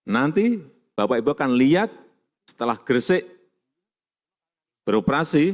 nanti bapak ibu akan lihat setelah gresik beroperasi